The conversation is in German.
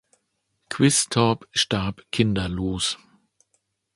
Quistorp starb kinderlos.